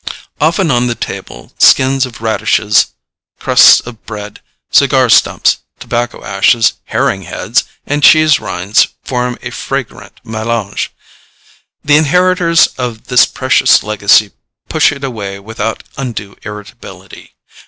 Often on the table skins of radishes, crusts of bread, cigar stumps, tobacco ashes, herring heads, and cheese rinds form a fragrant mélange. The inheritors of this precious legacy push it away without undue irritability.